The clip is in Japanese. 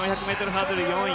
ハードル４位